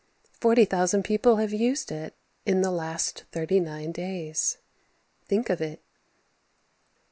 Forty thousand people have used it in the last thirty nine days. Think of it.